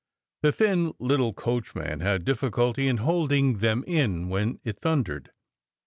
The thin little coachman had difficulty in holding them in when it thundered.